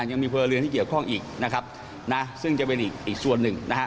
ยังมีพลเรือนที่เกี่ยวข้องอีกนะครับนะซึ่งจะเป็นอีกอีกส่วนหนึ่งนะฮะ